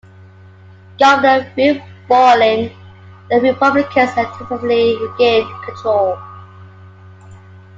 Governor Bill Bolling, the Republicans effectively regained control.